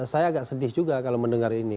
saya agak sedih juga kalau mendengar ini